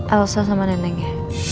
elsa sama neneknya